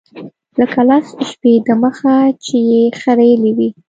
لکه لس شپې د مخه چې يې خرييلي وي.